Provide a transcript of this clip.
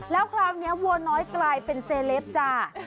แล้วคราวนี้วัวน้อยกลายเป็นเซเลปจ้า